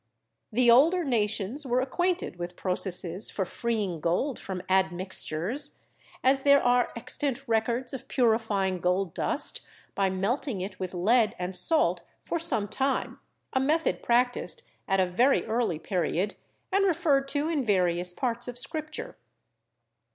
The older nations were acquainted with processes for freeing gold from ad mixtures, as there are extant records of purifying gold dust by melting it with lead and salt for some time, a method practiced at a very early period and referred to in various parts of Scripture.